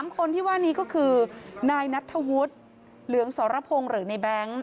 คนที่ว่านี้ก็คือนายนัทธวุฒิเหลืองสรพงศ์หรือในแบงค์